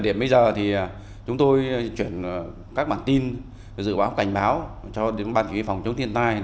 và đến bây giờ thì chúng tôi chuyển các bản tin dự báo cảnh báo cho đến bàn phòng chống thiên tai